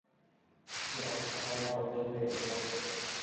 কী অবস্থাটাই না ওদের হয়েছে বলো তো?